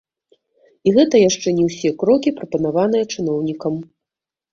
І гэта яшчэ не ўсе крокі, прапанаваныя чыноўнікам.